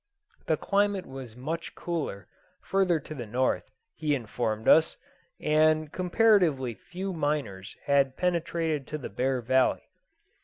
The climate was much cooler further to the north, he informed us, and comparatively few miners had penetrated to the Bear Valley.